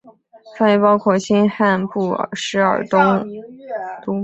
范围包括新罕布什尔州东部。